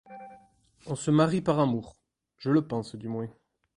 On se marie par amour ; je le pense, du moins.